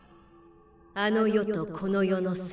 あの世とこの世の境。